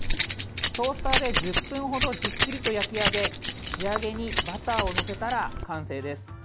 トースターで１０分ほどじっくりと焼き上げ仕上げにバターを載せたら完成です。